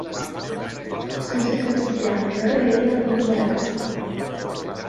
Sense trepitjar la graella numerada.